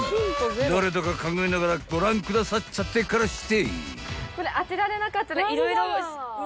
［誰だか考えながらご覧くださっちゃってからして］